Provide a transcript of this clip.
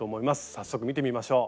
早速見てみましょう。